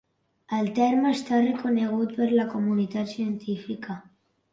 El terme està reconegut per la comunitat científica.